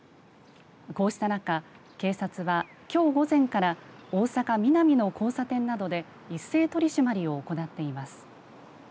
こうした中、警察はきょう午前から大阪、ミナミの交差点などで一斉取締まりを行っています。